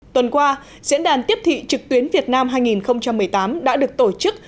tuần qua diễn đàn tiếp thị trực tuyến việt nam hai nghìn một mươi tám đã được tổ chức